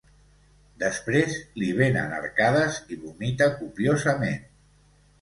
Després li vénen arcades i vomita copiosament.